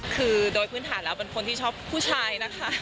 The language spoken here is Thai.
คือโดยพื้นฐานแล้วเป็นคนที่ชอบผู้ชายนะคะ